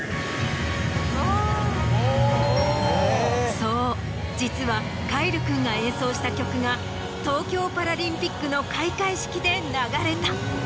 そう実は凱成君が演奏した曲が東京パラリンピックの開会式で流れた。